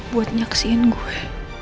buat nyaksiin gue